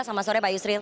selamat sore pak yusril